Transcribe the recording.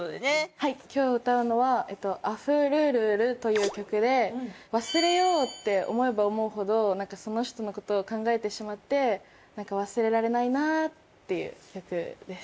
はい今日歌うのは『あふるるる』という曲で忘れようって思えば思うほどその人のことを考えてしまってなんか忘れられないなっていう曲です。